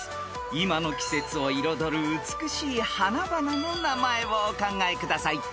今の季節を彩る美しい花々の名前をお考えください］